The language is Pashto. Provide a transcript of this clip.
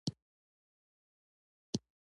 ځینې پنسلونه د لرګیو پر ځای له کاغذي موادو جوړ وي.